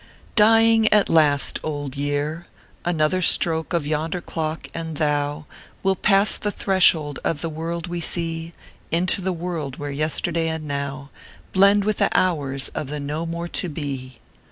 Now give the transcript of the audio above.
" Dying at last, Old Year I Another stroke of yonder clock, and thou Wilt pass the threshold of the world we see Into the world where Yesterday and Now Blend with the hours of the No More To Be.